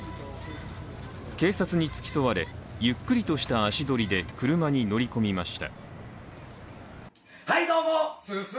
警察に付き添われ、ゆっくりとした足取りで車に乗り込みました。